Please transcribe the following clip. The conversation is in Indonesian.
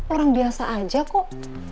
orang biasa aja kok